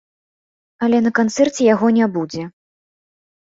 Але на канцэрце яго не будзе.